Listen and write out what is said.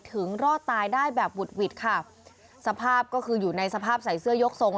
รอดตายได้แบบหุดหวิดค่ะสภาพก็คืออยู่ในสภาพใส่เสื้อยกทรง